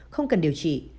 không cần điều trị